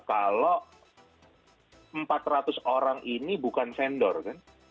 kalau empat ratus orang ini bukan vendor kan